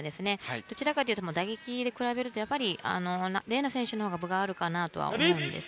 どちらかというと打撃で比べるとＲＥＮＡ選手のほうが分があるかなと思います。